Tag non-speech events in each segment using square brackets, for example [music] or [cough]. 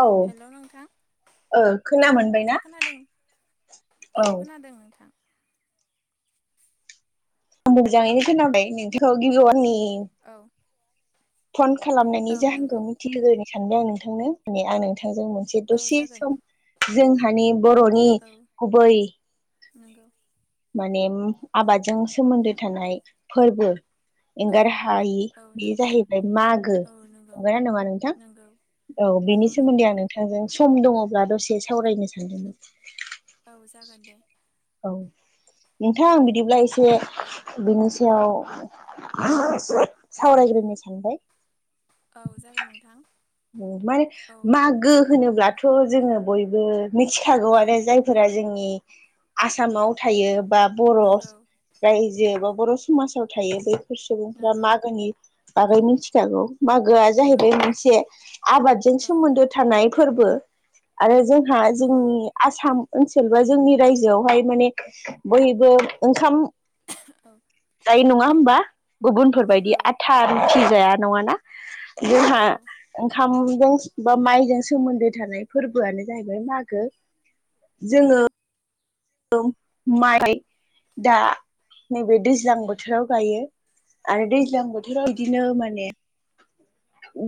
औ हेल' नोंथां ओ औ खोना मोनबाय ना? नोंथाङा खोनादों औ खोनादों नोंथां। मोजाङैनो खोनाबाय नोंथांखौ गिबिआवनि औ फन खालामनायनि औ जाहोनखौ नंगौ मिथिहोग्रोनो सानदों आं नोंथांनो माने आं नोंथांजों मोनसे औ दसे जागोन सम जोंहानि बर'नि गुबै नोंगौ। माने आबादजों सोमोन्दो थानाय फोरबो औ एंगार हायि औ बेयो नंगौ जाहैबाय मागो औ नंगौ नंगौना नङा नोंथां? नंगौ औ बिनि नंगौ सोमोन्दै नोंथां आं नोंथांजों सम दङब्ला दसे सावरायनो सानदोंमोन। औ जागोन दे। औ नोंथां बिदिब्ला एसे बिनि सायाव सावरायग्रोनो सानबाय औ जागोन नोंथां। माने औ मागो होनोब्लाथ' जोङो बयबो मिथिखागौ औ आरो जाय। फोरा जोंनि आसामाव थायो बा बर' नंगौ रायजो बा बर' समाजाव थायो बैफोर सुबुंफ्रा नंगौ मागोनि बागै मिथिखागौ। मागोआ जाहैबाय नंगौ मोनसे आबादजों औ सोमोन्दो थानाय फोरबो। आरो जोंहा नंगौ जोंनि आसाम ओनसोल बा जोंनि रायजोआवहाय माने बयबो ओंखाम औ दायो नङा होमबा गुबुनफोर नंगौ बायदि आथा रुथि जाया नङाना। जोंहा नंगौ ओंखामजों बा माइजों सोमोन्दो थानाय फोरबोआनो जाहैबाय मागो औ जोङो माइ दा नैबे दैज्लां बोथोराव गायो आरो दैज्लां बोथोर बोथोराव इदिनो नंगौ माने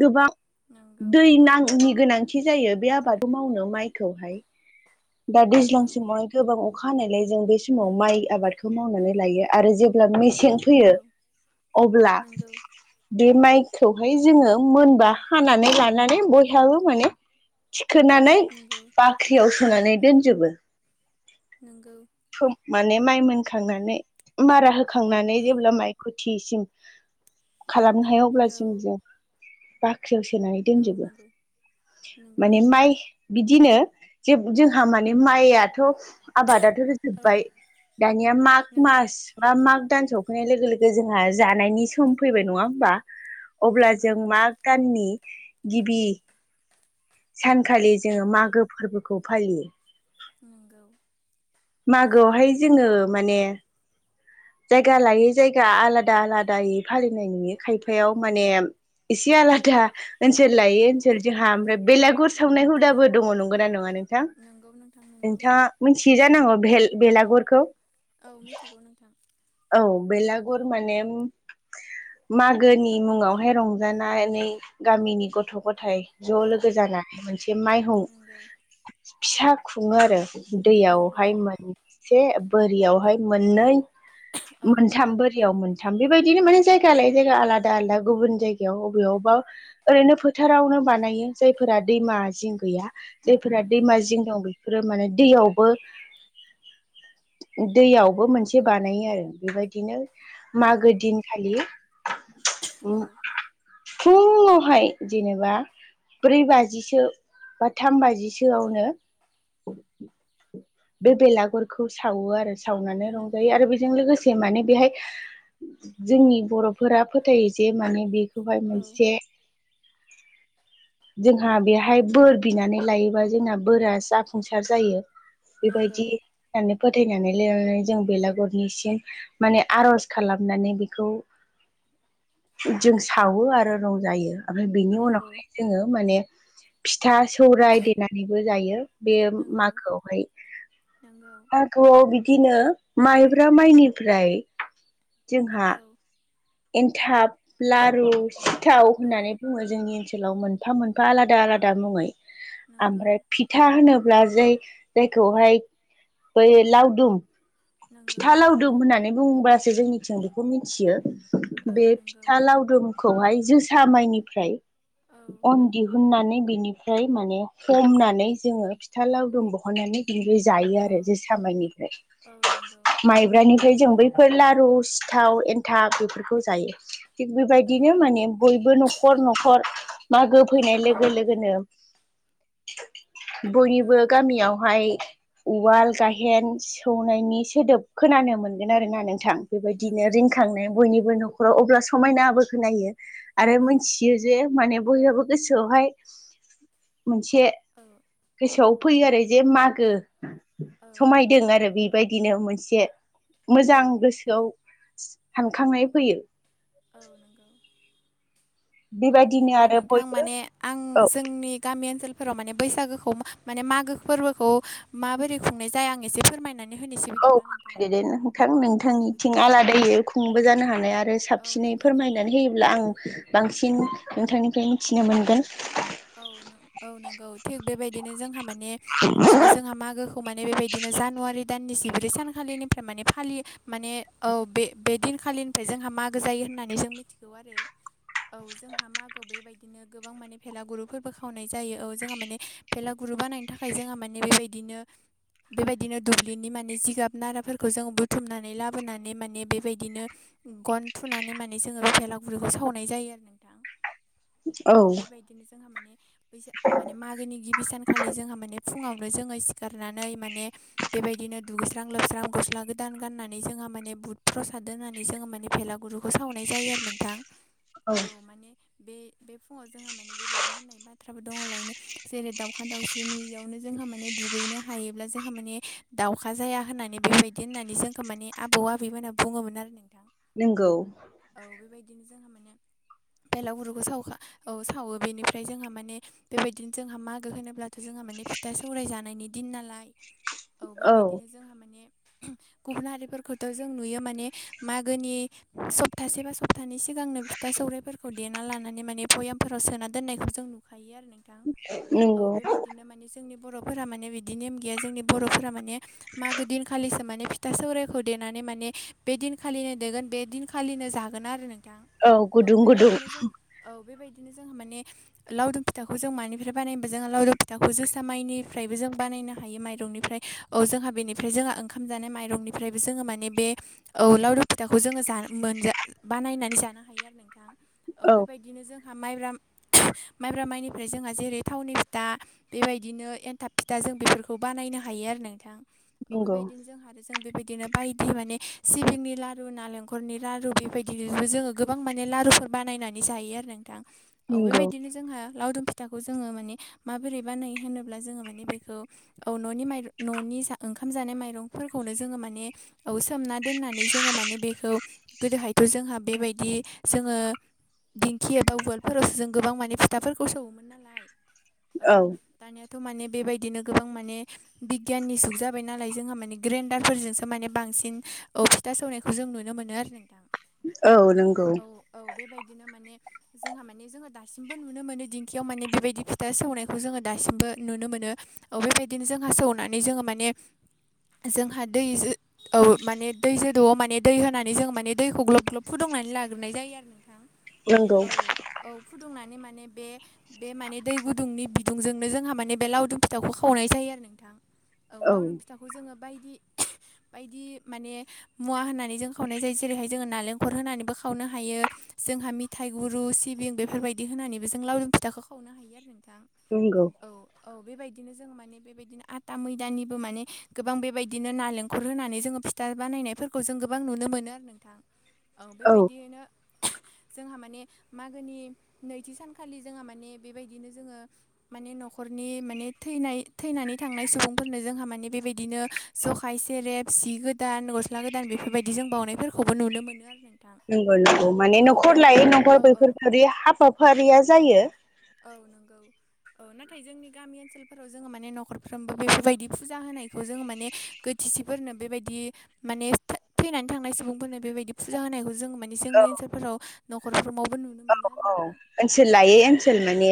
गोबां नंगौ दै नाङिनि गोनांथि जायो बे आबादखौ मावनो माइखौहाय दा नंगौ दैज्लां समावहाय गोबां अखा हानायलाय जों बे समाव माइ आबादखौ मावनानै लायो आरो जेब्ला मे सें फैयो अब्ला नंगौ बे माइखौहाय जोङो मोनबा हानानै लानानै बयहाबो माने थिखोनानै नंगौ बाख्रियाव सोनानै दोनजोबो। नोंगौ। सम माने माइ मोनखांनानै मारा होखांनानै औ जेब्ला माइ खथिसिम खालामनो हाया अब्ला औ जों ज बाख्रियाव सोनानै औ दोनजोबो नंगौ नंगौ माने नोंथां मा‌इ बिदिनो जों माने‌ माइ थ'' आबादाथ' औ रोजोबबाय दानिया माग नंगौ मास बा माग दान सफैनाय लोगो लोगो जोंहा जानायनि सम फैबाय नङा होमबा अब्ला नोंगौ जों मा गाननि गिबि सानखालि औ जोङो मागो फोरबोखौ फालियो नोंगौ मागोआवहाय जोङो माने जायगा लायै जायगा आलादा आलादायै फालिनायनि खायफायाव माने इसे आलादा ओनसोल लायो औ ओनसोल जोंहा ओमफ्राय बेलागुर सावनाय हुदाबो दङ नंगौ ना नङा नों नोंथां नोंगौ नोंथां नोंगौ नोंथाङा मिथियै जानांगौ बेलागुरखौ औ मिथिगौ नोंथां औ बेलागुर माने मागोनि मुङावहाय रंजाना एै गामिनि गथ' गथाइ ज' औ लोगो जानाया मोनसे माइखौ नोंगौ फिसा खुङो आरो नोंगौ दैयावहाय मोनसे बोरियावहाय मोननै औ मोनथाम बोरियाव मोन थम बेबायदिनो माने जायगा आायै जायगा आलादा आलादा गुबुन जायगायाव बबेयावबा ओरैनो फोथारावनो बानायो जायफोरा दैमा जिं गैया जायफोरा दैमा नोंगौ जिं दं बे बेफोरो माने दैयावबो दैयावबो मोनसे बानायो आरो बेबायदिनो मागो नोंगौ दिनखालि औ फुंङावहाय जेनेबा ब्रै बाजिसो बा थाम बाजिसो औ नो बे बेलागुरखौ सावो आरो सावनानै नोंगौ रंजायो आरो बेजों लोगोसे माने बेहाय जोंनि बर' फोर फोथायो जे माने बेखौहाय औ मोनसे जोंहा औ बेहाय बोर बिनानै लायोबा जोंना बोरा जाफुंसार जायो नोंगौ बेबायदि होननानै फोथायनानै लिरनानै जों बेलागुरनिसिम माने आर'ज खालामनानै बेखौ जों सावो आरो रं जायो ओमफ्राय बिनि नोंगौ उनावहाय जोङो माने फिथा सौराय देनानैबो जायो बे नोंगौ मायखौ हाय नोंगौ मागोआव बिदिनो माइब्रा माइनिफ्राय जोंहा औ एन्थाब लारु सिथाव औ होननानै बुंङो जोंनि ओनसोलाव मोन मोनफा मोनफा आलादा आलादा मुंङै नोंगौ ओमफ्राय फि फिथा होनोब्ला जै जायखौहाय बै लावदुम नोंगौ खिथा लावदोम होन्नानै बुंब्लाासो जोंनिथिंबो बे खौ मिथियो औ बे नोंगौ फिथा लावदुमखौहाय जोसा माइनिफ्राय औ अन दिहुननानै बिनिफ्राय माने हमनानै जोंङो फिथा लावदुम बहननानै बिमफ्राय जायो औ आरो जोसा मायनिफ्राय औ नंगौ माइब्रानिफ्राय जों बैफोर लारु सिथाव एन्थाब बेफोरखौ जायो थिग औ बेबायदिनो माने बयबो न'खर न'खर मागो औ फैनाय लोगो लोगोनो [inaudible] औ बयनिबो गामियावहाय उवाल गायेन सो सौनायनि सोदोब खोनानो मोनगोन आरोना नोंथां नोंगौ नोंथां बयनिबो न'खराव अब्ला समायनााबो खोनो आरो औ मिथियो जे माने बयहाबो गोसोआवहाय मोनसे औ गोसोआव फैयो आरो जे मागो औ समायदों आरो बे बेबायदिनो मोनसे मोजां औ गोसोआव सानखांनाय फैयो औ नंगौ औ बेबायदिनो बिदिब्ला आरो नोंथां बयबो माने आं औ जोंनि गामि ओनसोलफोराव माने बैसागोखौ माने मागो फोरबोखौ माबोरै खुंनाय जाया आं एसे फोरमायनानै होनोसै औ बिदिब्ला नोंथां फोरायदो दे नोंथां औ नोंथांनिथिं बिदिब्ला आलादायै औ खुंबो जानो हानाय आरो साब औ साबसिनै नंगौ नोंथां फोरमायनानै होयोब्ला आं बांसिन नोंथांनिफ्राय मिथिनो मोनगोन। औ नं औ नंगौ थिग बेबायदिनो जोंहा माने जोंहा मागो खौ माने बेबायदिनो जानुवारि दाननि जिब्रै सानखालिनिफ्राय माने फालियो माने औ बे बे दिनखालिनिफ्राय जोंहा मागो जायो होननानै जों मिथिगौ आरो। औ जोंहा मागोआव बेबायदिनो गोबां माने माने भेला गुरुफोरबो खावनाय जायो औ जोंहा माने भेला गुरु बानायनो थाखाय जोंहा माने बेबायदिनो बेबायदिनो दुब्लिनि माने जिगाब नाराफोरखौ जों बुथुमनानै लाबोनानै माने बेबायदिनो गन थुनानै माने जोंङो बेफेलागुरिखौ सावनाय जायो आरो नोंथां औ बेबायदिनो जोंहा माने बैसाग माने मागोनि गिबि सानखालि जोंहा माने फुङांवनो जोंङो सिखारनानै माने बेबायदिनो दुगैस्रां लोबस्रां गस्ला गोदान गाननानै जोंहा माने बुद प्रसाद होननानै जोंङो माने फेलागुरुखौ खौ सावनाय जायो आरो नोंथां औ माने बे बे फुंङाव जोंहा माने बेबायदि बिदि होननाय बाथ्राबो दंङो लायनो। जेरै दाउखा दाउस्रि नुयियावनो जोंहा माने दुगैनो हायोब्ला जोंहा माने दाउखा जाया होननानै बेबायदि होननानै जोंखौ मानि आबौ आबैमोनहा बुङोमोन आरो नोंथां। नोंंगौ। औ बेबायदिनो जोंहा माने बेलागुरुखौ साव अखा औ सावो बेनिफ्राय जोंहा माने बेबायदिनो जोंहा मागो होनोब्लाथ' जोंहा माने फिथा सौराय जानायनि दिन नालाय औ बेबायदिनो जोंहा माने गुबुन हारिफोरखौथ' जों नुयो माने मागोनि सप्तासे बा सप्तानि सिगांनो फिथा सौराइफोरखौ देना लानानै माने भयामाव सोना दोननायखौ जों नुखायो आरो नोंथां औ नंगौ बेबायदि बिदिनो माने जोंनि बर'फोरा माने बिदि नेम गैया जोंनि बर'फोरा माने मागो दिनखालिसो माने फिथा सौराइखौ देनानै माने बे दिनखालिनो देगोन बे दिनखा फालिनो जागोन आरो नोंथां औ गुदुं गुदुं बेबायदिनो जों औ बेबायदिनो जोंहा माने लावदुम फिथाखौ जों मानिफ्राय बानायनोबा जोंङो लावदुम फिथाखौ जोसा माइनिफ्रायबो जों बानायनो हायो माइरंनिफ्राय औ जोंहा बेनिफ्राय जोंहा ओंखाम जानाय माइरंनिफ्रायबो जोङो माने बे औ लावरु फिथाखौ जोङो जा मोनजा बानायनानै जानो हायो आरो नोंथां औ बे बिदिनो जोंहा माइब्रा माइब्रा माइनिफ्राय जोंहा जेरै थावननि फिथा बेबायदिनो एन्थाब फिथा जों बेफोरखौ बानायनो हायो आरो नोंथां औ नंगौ बेबायदिनो जोंहा जों बेबायदिनो बायदि माने सिबिंनि लारु नालेंखनि लारु बेबायदि जोङो गो गोबां माने लारुफोर बानायनानै जायो आरो नोंथां औ नंगौ बेबायदिनो जोंहा लावदुम फि फिथाखौ जोङो माने माबोरै बानायो होनोब्ला जोङो माने बेखौ औ न'नि माइ न'नि ओंखाम जानाय माइरंफोरखौनो जोङो माने औ सोमना दोननानै जोङो माने बेखौ गोदोहायथ' जोंहा बेबायदि जोङो दिंखि एबा उवालफोरावसो जों गोबां माने फिथाफोरखौ सौवोमोन नालाय औ दानियाथ' माने बेबायदिनो गोबां माने बिगियाननि जुग जाबाय नालाय जोंहा माने ग्रेन्डारफोरजोंसो माने बांसिन फिथा सौनायखौ जों नुनो मोनो आरो नोंथां। औ नंगौ। औ औ बेबायदिनो माने जोंहा माने जोङो दा दासिमबो नुनो मोनो दिंखियाव माने बेबायदि फिथा सौनायखौ जोङो दासिमबो नुनो मोनो। औ बेबायदिनो जोंहा सौनानै जोङो माने जोंहा दैजो औ माने दै जोदौआव माने दै होनानै जोङो माने दैखौ ग्लब ग्लब फुदुंनानै लाग्रोनाय जायो आरो। नोंथां नंगौ औ औ फुदुंनानै माने बे बे माने दै गुदुंनि बि गुदुंजोंनो जोंहा माने बे लावदुम फिथाखौ खावनाय जायो आरो नोंथां औ लावउदुम फिथाखौ खौ जोङो बायदि बायदि माने मुवा होनानै जों खावनाय जायो जेरैहाय जोङो नालेंखर होनानैबो खावनो हायो जोंहा मिथाइ गुरु सिबिं बेफोरबायदि होनानैबो जों लावरुम फिथाखौ खावनो हायो आरो नोंथां नोंंगौ औ औ बेबायदिनो जों माने बेबायदिनो आथा मैदानिबो माने गोबां बेबायदिनो नालेंखर होनानै जोङो फिथा बानायनायफोरखौ खौ जों गोबां नुनो मोनो आरो नोंथां औ बेबायदियैनो जोंहा माने मागोनि नैथि सानखालि जोंहा माने बेबायदिनो जोङो माने न'खरनि माने थैनाय थैनानै थांनाय सुबुंफोरनो जोंहा माने बेबायदिनो जखाय सेरेब सि गोदान गस्ला गोदान बेफोरबायदि जों बावनायफोरखौबो नुनो मोनो आरो नोंथां नंगौ नंगौ माने औ बे न'खर लायै औ न'खर बेैफोर हाबाफारिया जायो औ नंगौ औ नाथाय जोंनि गामि ओनसोलाव आलफोराव जोङो माने नखरफ्रोमबो बेफोरबायदि फुजा होनायखौ जोङो माने गोथिसिफोरनो बेबायदि माने थैनानै थांनाय सुबुंफोरनो बेबायदि फुजा होनायखौ जोंङो माने मानि औ जोंनि ओनसोलफोराव नखरफोरावबो नुनो औ मोनो आरो औ नोंथां ओनसोल लायै ओनसोल माने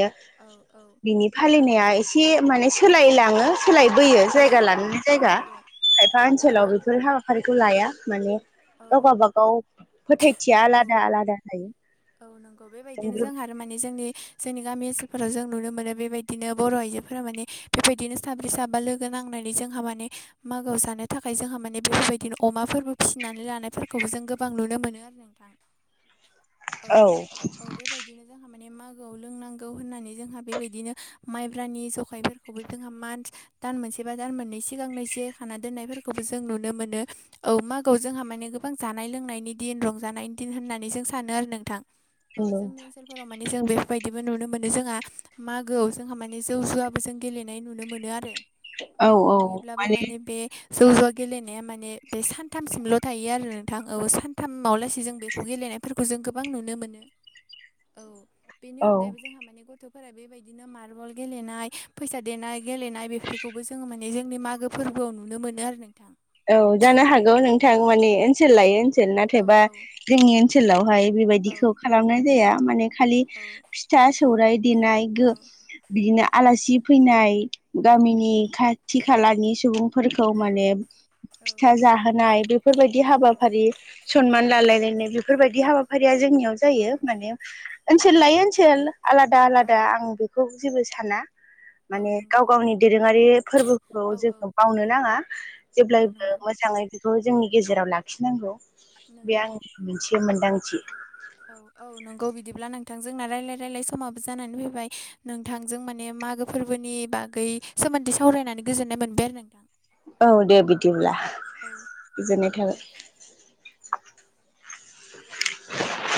औ औ बिनि फालिनाया एसे माने सोलायलाङो सोलायबोयो औ जायगा लानानै औ जायगा नंगौ खायफा ओनसोलाव औ बेफोर हाबा फोरखौ लाया माने औ गाव गाबागाव फोथायथिया औ आलादा आलादा जायो औ नंगौ बेबायदिनो जोंहा माने जोंनि जोंनि गामि ओनसोलफोराव जों नुनो मोनो बेबायदिनो बर' आइजोफोरा माने बेबायदिनो साब्रै साबा लोगो नांनानै जोंहा माने मागोआव जानो थाखाय जोंहा माने बेफोरबायदिनो अमाफोरबो फिसिनानै लानायफोरखौबो जों गोबां नुनो मोनो आरो नोंथां औ औ बेबायदिनो जोंहा माने मागोआव लोंनांगौ होननानै जोंहा बेबायदिनो माइब्रानि जखायफोरखौबो जोंहा मान दान मोनसे बा दान मोननै सिगांनो जियायखाना दोननायफोरखौबो जों नुनो मोनो औ मागोआव जोंहा माने गोबां जानाय लोंनायनि दिन रंजानायनि दिन होननानै जों सानो आरो नों औ जोंनि ओनसोल उनाव माने जों बेफोरबायदिबो नुनो मोनो जोंहा मागोआव जोंहा माने जौ जुवाबो जों गेलेनाय नुनो मोनो आरो औ नुयोब्लाबो माने बे जौ ज'वा गेलेनाया माने बे सानथामसिमल' थायो आरो नोंथां औ सानथामावलासे जों बेखौ गेलेनाय फोरखौ जों गोबां नुनो मोनो औ बेनि औ अनगायैबो जोंहा माने गथ'फोरा बेबायदिनो मार्बल गेलेनाय फैसा देनाय गेलेनाय बेफोरखौबो जोनि माने जोंनि मागो फोरबोआव नुनो मोनो आरो नोंथां औ जानो हागौ नोंथां औ औ माने ओनसोल लायो ओनसोल औ नाथायबा औ जोंनि ओनसोलावहाय औ बेबायदिखौ खालामनाय जाया माने खालि औ फिथा फिथसा सौराय देनाय औ बिदिनो आलासि फैनाय औ गामिनि खा खाथि खालानि सुबुंफोरखौ माने फिथा जाहोनाय बेफोरबायदि हाबाफारि सनमान लालायलायनाय बे बेफोरबायदि हाबाफारिया जोंनियाव जायो मान औ ओनसोल लायो ओनसोल आलादा औ आलादा आं बे बेखौ जेबो साना औ माने गाव नंगौ गावनि दोरोङारि फोरबोखौ औ औ जोंङो बावनो नाङा औ जेब्लायबो नंगौ मोजाङै बेखौ जोंनि गेजेराव लाखिनांगौ बे नंगौ आंनि मोनसे मोनदांथि औ औ नंगौ बिदिब्ला नोंथांजोंना रायाय रायल समाबो जानानै फैबाय नोंथांजों माने मागो फोरबोनि बागै सोमोन्दै सावरायनानै गोजोननाय मोनबाय आरो नोंथां औ दे बिदिब्ला औ गोजोननाय थाबाय